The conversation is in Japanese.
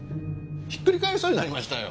引っくり返りそうになりましたよ。